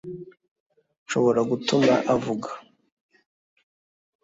Nshobora gutuma avuga